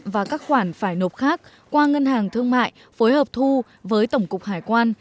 và các khoản phải nộp khác qua ngân hàng thương mại phối hợp thu với tổng cục hải quan